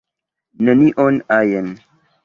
"Nenion ajn."